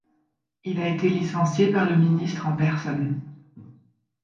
Il a été licencié par le ministre en personne.